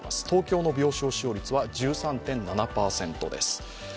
東京の病床使用率は１３．７％です。